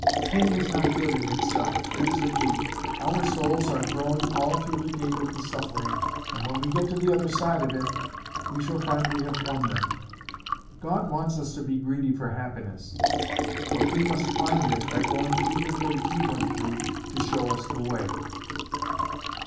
Pain is not good in itself; it is a gate. Our souls are growing all through the gate of the suffering, and when we get to the other side of it, we shall find we have won them. God wants us to be greedy for happiness; but we must find it by going through the gate He went through to show us the way."